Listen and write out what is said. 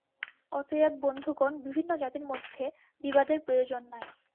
অতএব বন্ধুগণ, বিভিন্ন জাতির মধ্যে বিবাদের প্রয়োজন নাই।